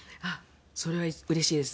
それはうれしいです